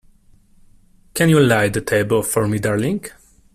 Can you lay the table for me, darling?